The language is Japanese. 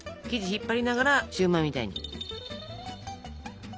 生地引っ張りながらシューマイみたいに。